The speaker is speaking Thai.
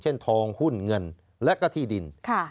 ทองหุ้นเงินและก็ที่ดิน